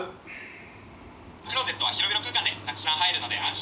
クローゼットは広々空間でたくさん入るので安心。